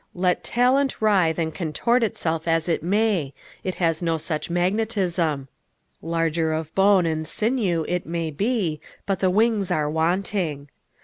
Let talent writhe and contort itself as it may, it has no such magnetism. Larger of bone and sinew it may be, but the wings are wanting.